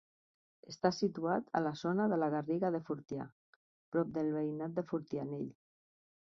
Està situat a la zona de la Garriga de Fortià, prop del veïnat de Fortianell.